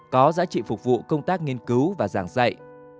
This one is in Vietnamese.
có giá trị phục vụ công tác nghiên cứu và giảng dạy